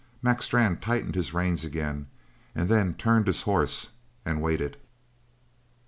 Mac Strann tightened his reins again, and then turned his horse, and waited.